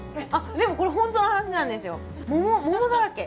でもこれ本当の話なんですよ。